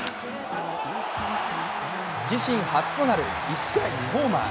自身初となる１試合２ホーマー。